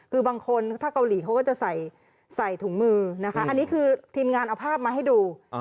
คือบางคนถ้าเกาหลีเขาก็จะใส่ถุงมือนะคะอันนี้คือทีมงานเอาภาพมาให้ดู